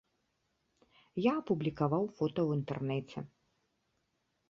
Я апублікаваў фота ў інтэрнэце.